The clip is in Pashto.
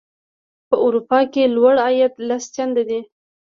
په اروپا کې لوړ عاید لس چنده دی.